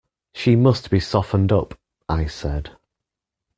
"She must be softened up," I said.